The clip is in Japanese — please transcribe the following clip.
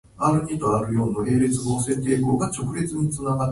よろこびがない～